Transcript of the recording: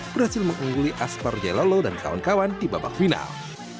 berhasil mengungguli aspar jailolo dan kawan kawan di babak final